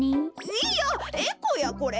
いやエコやこれ。